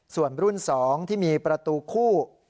ส่วนรุ่น๒ที่มีประตูคู่